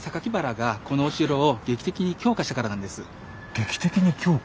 劇的に強化？